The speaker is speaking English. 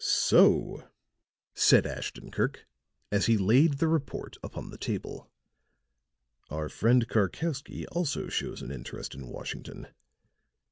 "So," said Ashton Kirk, as he laid the report upon the table, "our friend Karkowsky also shows an interest in Washington.